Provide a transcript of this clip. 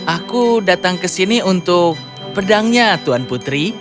aku datang ke sini untuk pedangnya tuan putri